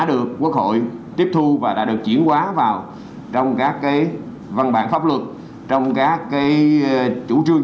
được quốc hội tiếp thu và đã được chuyển quá vào trong các văn bản pháp luật trong các chủ trương